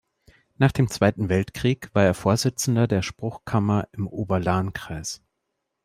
Nach dem Zweiten Weltkrieg war er Vorsitzender der Spruchkammer im Oberlahnkreis.